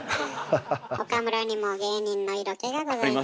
岡村にも芸人の色気がございます。